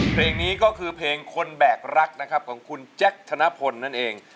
เพลงนี้ก็คือเพลงคนแบกรักนะครับของคุณแจ็คธนพลนั่นเอง